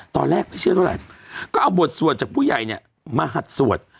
ตอนแรกไม่เชื่อเท่าไหร่ก็เอาบทสวดจากผู้ใหญ่เนี่ยมาหัดสวด